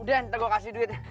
udah nanti gue kasih duit